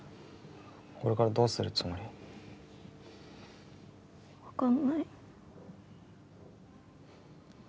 これからどうするつもり？分かんない。